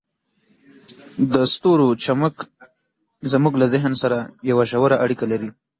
د ستورو چمک زموږ له ذهن سره یوه ژوره اړیکه لري.